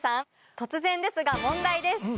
突然ですが問題です。